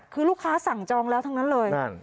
คือลูกค้าสั่งจองแล้วทั้งนั้นเลย